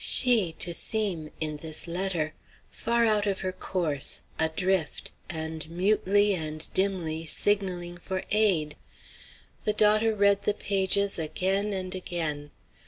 she to seem in this letter far out of her course, adrift, and mutely and dimly signalling for aid! The daughter read the pages again and again.